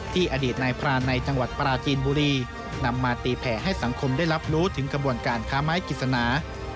อดีตนายพรานในจังหวัดปราจีนบุรีนำมาตีแผ่ให้สังคมได้รับรู้ถึงกระบวนการค้าไม้กิจสนา